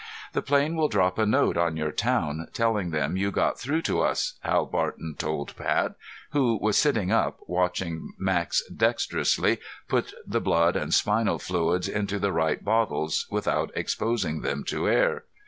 "The plane will drop a note on your town, telling them you got through to us," Hal Barton told Pat, who was sitting up watching Max dexterously put the blood and spinal fluids into the right bottles without exposing them to air.